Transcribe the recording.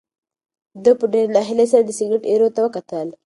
ده په ډېرې ناهیلۍ سره د سګرټ ایرو ته وکتل.